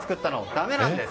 だめなんです。